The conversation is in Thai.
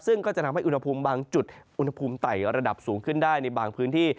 ซึ่งก็จะทำให้อุณหภูมิบางจุดอุณหภูมิไต่ระดับสูงขึ้นได้ในบางพื้นที่